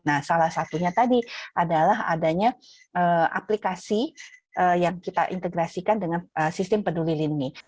nah salah satunya tadi adalah adanya aplikasi yang kita integrasikan dengan sistem peduli lindungi